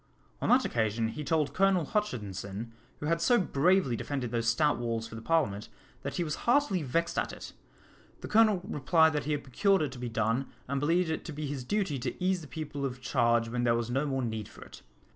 On that occasion he told Colonel Hutchinson, who had so bravely defended those stout walls for the Parliament, that he was heartily vexed at it. The Colonel replied that he had procured it to be done, and believed it to be his duty to ease the people of charge when there was no more need for it.